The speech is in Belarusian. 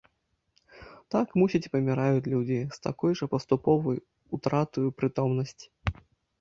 Так, мусіць, і паміраюць людзі, з такой жа паступовай утратаю прытомнасці.